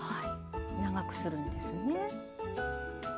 長くするんですね。